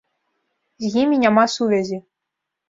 З імі няма сувязі.